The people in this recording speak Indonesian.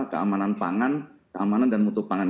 keamanan pangan keamanan dan mutu pangan